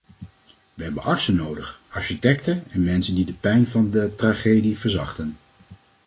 We hebben artsen nodig, architecten en mensen die de pijn van de tragedie verzachten.